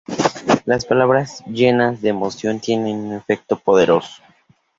Las palabras llenas de emoción tienen un efecto poderoso.